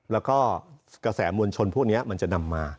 แล้วก็กระแสมวลชนพวกนี้มันจะนำมา